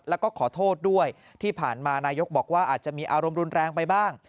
แล้วก็ขอโทษด้วยที่ผ่านมานายกบอกว่าอาจจะมีอารมณ์รุนแรงไปบ้าง